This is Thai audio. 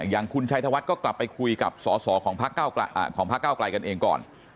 อย่างคุณชัยธวัฒน์ก็กลับไปคุยกับสอสอของพระเก้าไกลกันเองก่อน